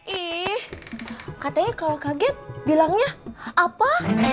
ih katanya kalau kaget bilangnya apa